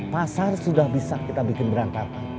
pasar sudah bisa kita bikin berantakan